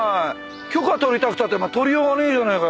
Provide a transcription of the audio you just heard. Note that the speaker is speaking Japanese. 許可取りたくたって取りようがねえじゃねえかよ。